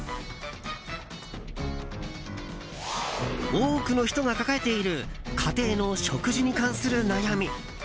多くの人が抱えている家庭の食事に関する悩み。